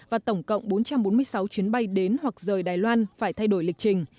và tổng cộng bốn trăm bốn mươi sáu chuyến bay đến hoặc rời đài loan phải thay đổi lịch trình